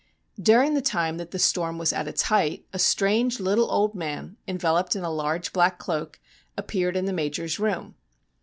During the time that the storm was at its height a strange little old man, enveloped in a large black cloak, appeared in the Major's room.